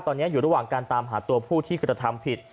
ตอนนี้อยู่ระหว่างการตามหาตัวผู้ที่กระทำผิด